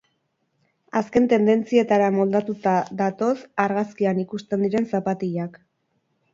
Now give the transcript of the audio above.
Azken tendentzietara moldatuta datoz argazkian ikusten diren zapatilak.